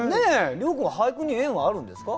諒君は俳句に縁はあるんですか？